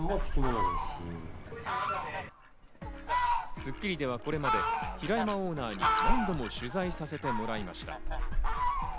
『スッキリ』ではこれまで平山オーナーに何度も取材させてもらいました。